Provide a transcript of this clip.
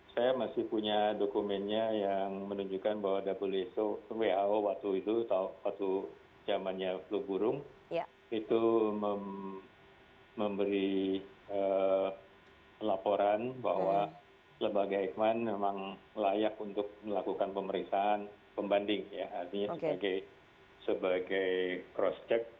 saya masih punya dokumennya yang menunjukkan bahwa who waktu itu waktu zaman flu burung itu memberi laporan bahwa lembaga eijkman memang layak untuk melakukan pemeriksaan pembanding ya artinya sebagai cross check